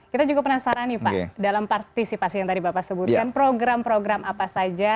kita juga penasaran nih pak dalam partisipasi yang tadi bapak sebutkan program program apa saja